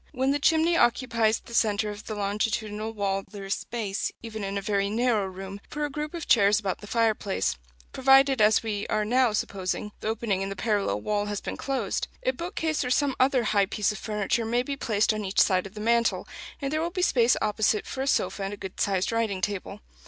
When the chimney occupies the centre of the longitudinal wall there is space, even in a very narrow room, for a group of chairs about the fireplace provided, as we are now supposing, the opening in the parallel wall has been closed. A bookcase or some other high piece of furniture may be placed on each side of the mantel, and there will be space opposite for a sofa and a good sized writing table.